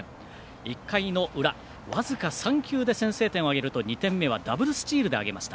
１回の裏、僅か３球で先制点を挙げると２点目はダブルスチールで挙げました。